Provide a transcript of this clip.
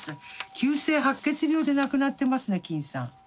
急性白血病で亡くなってますね金さん。